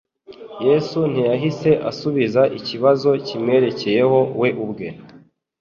Yesu ntiyahise asubiza ikibazo kimwerekeyeho we ubwe;